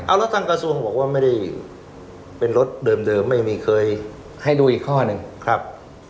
แล้วทางกระทรวงบอกว่าไม่ได้เป็นรถเดิมไม่มีใครให้ดูอีกข้อหนึ่งครับ